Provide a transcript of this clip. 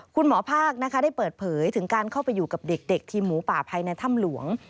คุณหมอภาคนะคะได้เปิดเผยถึงการเข้าไปอยู่กับเด็กทีมหมูป่าภายในถ้ำหลวง